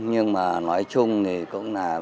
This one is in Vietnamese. nhưng mà nói chung thì cũng là